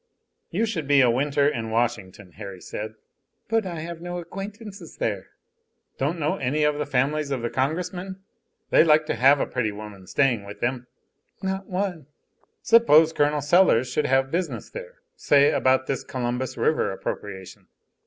"You should be a winter in Washington," Harry said. "But I have no acquaintances there." "Don't know any of the families of the congressmen? They like to have a pretty woman staying with them." "Not one." "Suppose Col. Sellers should, have business there; say, about this Columbus River appropriation?"